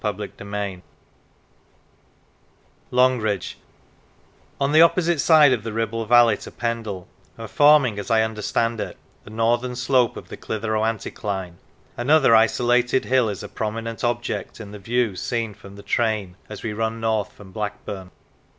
216 CHAPTER XIV LONGRIDGE ON the opposite side of the Kibble valley to Pendle, and forming, as I understand it, the northern slope of the Clitheroe anticline, another isolated hill is a prominent object in the view seen from the train as we run north from Blackburn.